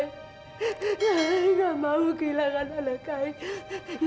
ibu tidak mau kehilangan anakku